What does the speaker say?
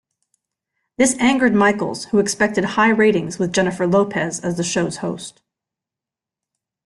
This angered Michaels, who expected high ratings with Jennifer Lopez as the show's host.